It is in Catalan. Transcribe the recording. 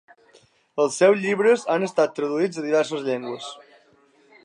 Els seus llibres han estat traduïts a diverses llengües.